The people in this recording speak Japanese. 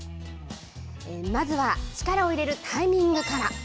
まずは力を入れるタイミングから。